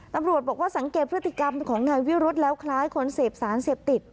ตำรวจบอกว่าสังเกตพฤติกรรมของนายวิรุธแล้วคล้ายคนเสพสารเสพติด